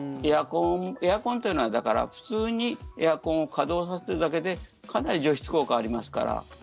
エアコンというのは普通にエアコンを稼働させてるだけでかなり除湿効果ありますから。